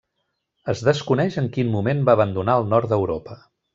Es desconeix en quin moment va abandonar el nord d'Europa.